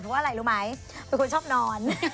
เพราะว่าอะไรรู้ไหมเพราะว่าคุณชอบนอน